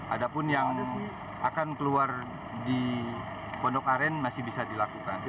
ada pun yang akan keluar di pondok aren masih bisa dilakukan